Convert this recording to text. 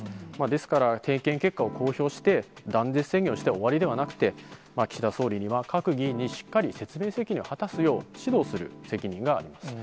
ですから、点検結果を公表して、断絶宣言をして終わりではなくて、岸田総理には、各議員にしっかり説明責任を果たすよう指導する責任があります。